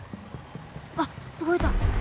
あっ動いた。